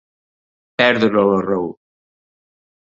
Perdre la raó.